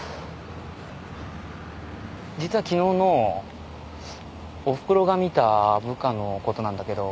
実は昨日のおふくろが見た部下のことなんだけど。